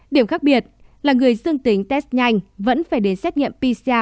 điểm khác biệt là người dương tính test nhanh vẫn phải đến xét nghiệm pcr